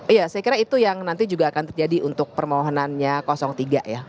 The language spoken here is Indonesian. iya saya kira itu yang nanti juga akan terjadi untuk permohonannya tiga ya